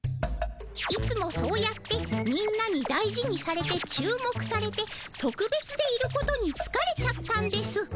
いつもそうやってみんなに大事にされて注目されてとくべつでいることにつかれちゃったんです。